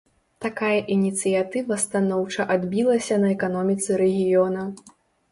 Такая ініцыятыва станоўча адбілася на эканоміцы рэгіёна.